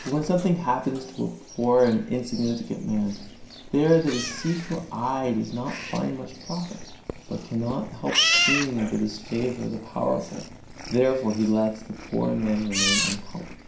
But when something happens to a poor and insignificant man, there the deceitful eye does not find much profit, but cannot help seeing the disfavor of the powerful; therefore he lets the poor man remain unhelped.